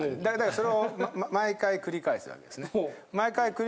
それを毎回繰り返すわけですね。